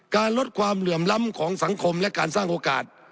ลดความเหลื่อมล้ำของสังคมและการสร้างโอกาส